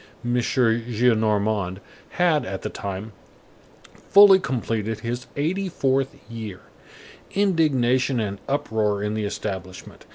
M. Gillenormand had, at that time, fully completed his eighty fourth year. Indignation and uproar in the establishment.